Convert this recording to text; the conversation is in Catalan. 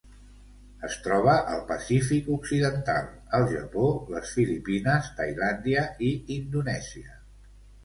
Es troba al Pacífic occidental: el Japó, les Filipines, Tailàndia i Indonèsia.